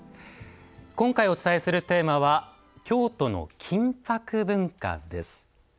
今回お伝えするテーマは「京都の金箔文化」です。